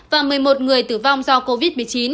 và một mươi một người tử vong do covid một mươi chín